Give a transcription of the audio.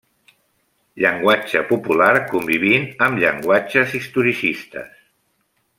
Llenguatge popular convivint amb llenguatges historicistes.